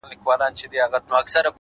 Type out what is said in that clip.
رپا د سونډو دي زما قبر ته جنډۍ جوړه كړه”